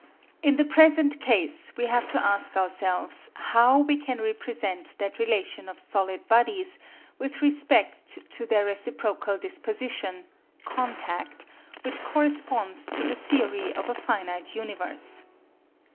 In the present case we have to ask ourselves how we can represent that relation of solid bodies with respect to their reciprocal disposition (contact) which corresponds to the theory of a finite universe.